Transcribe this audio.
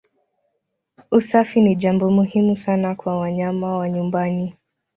Usafi ni jambo muhimu sana kwa wanyama wa nyumbani.